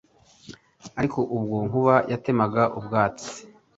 Aliko ubwo Nkuba yatemaga ubwatsi